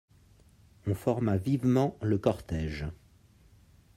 On forma vivement le cortège.